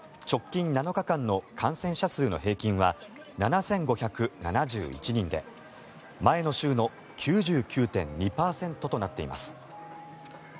直近７日間の感染者数の平均は７５７１人で前の週の９９．２％となっています。